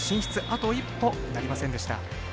あと一歩なりませんでした。